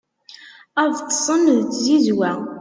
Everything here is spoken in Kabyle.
ad ṭṭsen d tzizwa